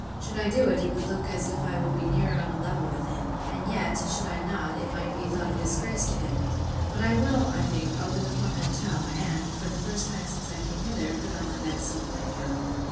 Should I do it, it would look as if I would be nearer on a level with him: and yet, should I not, it might be thought a disgrace to him: but I will, I think, open the portmanteau, and, for the first time since I came hither, put on my best silk nightgown.